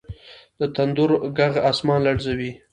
د تندر ږغ اسمان لړزوي.